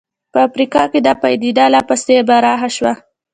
په افریقا کې دا پدیده لا پسې پراخه شوه.